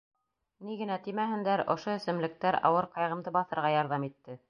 Ни генә тимәһендәр, ошо эсемлектәр ауыр ҡайғымды баҫырға ярҙам итте.